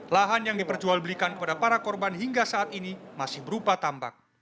lahan yang diperjual belikan kepada para korban hingga saat ini masih berupa tambak